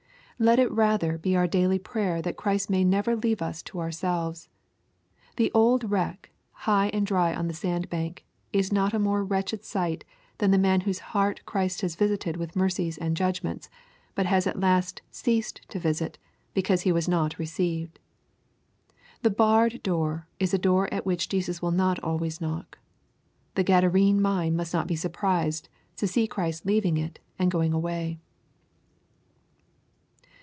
Let it rather be our daily prayer that Christ may never leave us to ourselves. The old wreck, high and dry on the sand bank, is not a more wretched sight than the man whose heart Christ has visited with mercies and judgments, but has at last ceased to visit, because He was not received. The barred door is a door at which Jesus will not always knock. The Gadarene mind must not be surprised to see Christ leaving it and going away.